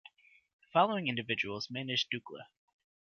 The following individuals managed Dukla.